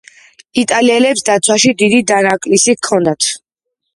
იტალიელებს დაცვაში დიდი დანაკლისი ჰქონდათ.